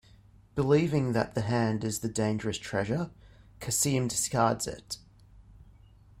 Believing that the hand is the dangerous treasure, Cassim discards it.